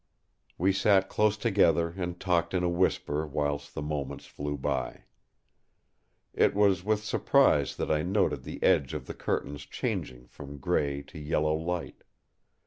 We sat close together and talked in a whisper whilst the moments flew by. It was with surprise that I noted the edge of the curtains changing from grey to yellow light.